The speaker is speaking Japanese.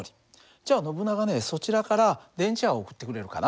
じゃあノブナガねそちらから電磁波を送ってくれるかな。